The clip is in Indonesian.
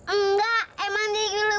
enggak emang teddy leburu